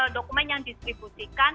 dokumen yang distribusikan